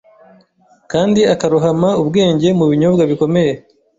kandi akarohama ubwenge Mu binyobwa bikomeye